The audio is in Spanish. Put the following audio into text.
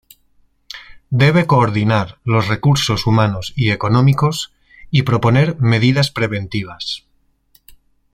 Debe coordinar los recursos humanos y económicos y proponer medidas preventivas.